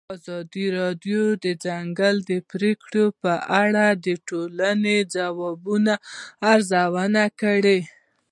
ازادي راډیو د د ځنګلونو پرېکول په اړه د ټولنې د ځواب ارزونه کړې.